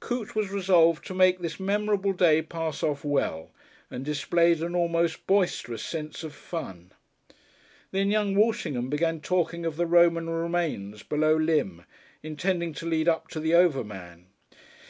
Coote was resolved to make this memorable day pass off well, and displayed an almost boisterous sense of fun. Then young Walshingham began talking of the Roman remains below Lympne, intending to lead up to the Overman.